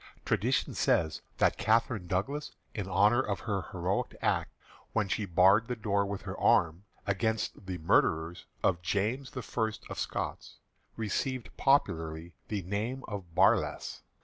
Tradition says that Catherine Douglas, in honour of her heroic act when she barred the door with her arm against the murderers of James the First of Scots, received popularly the name of "Barlass."